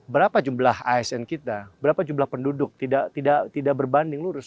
berapa jumlah asn kita berapa jumlah penduduk tidak berbanding lurus